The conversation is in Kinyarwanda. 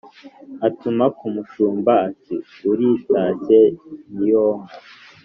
atuma ku mushumba ati « uritashye n’ iyo nka !